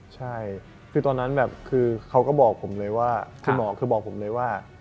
ใช่คือตอนนั้นเขาก็บอกผมเลยว่าพี่หมอบอกผมเลยว่า